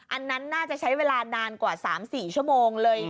อันนั้นน่าจะใช้เวลานานกว่า๓๔ชั่วโมงเลย